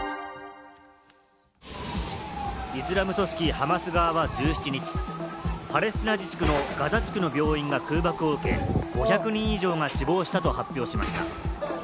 イスラム組織ハマス側は１７日、パレスチナ自治区のガザ地区の病院が空爆を受け、５００人以上が死亡したと発表しました。